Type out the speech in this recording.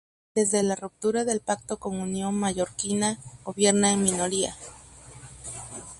Desde la ruptura del pacto con Unió Mallorquina gobierna en minoría.